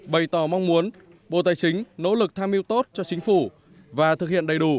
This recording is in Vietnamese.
bày tỏ mong muốn bộ tài chính nỗ lực tham mưu tốt cho chính phủ và thực hiện đầy đủ